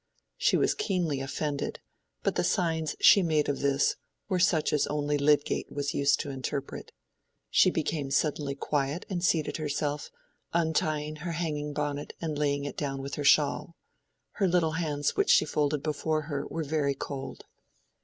She was keenly offended, but the signs she made of this were such as only Lydgate was used to interpret. She became suddenly quiet and seated herself, untying her hanging bonnet and laying it down with her shawl. Her little hands which she folded before her were very cold.